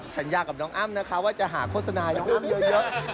สัญญากับน้องอ้ำนะคะว่าจะหาโฆษณาน้องอ้ำเยอะ